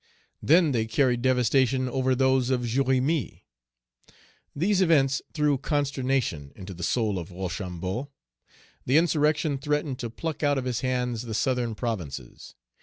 Then they carried devastation over those of Jérémie. These events threw consternation into the soul of Rochambeau. The insurrection threatened to pluck out of his hands the southern provinces.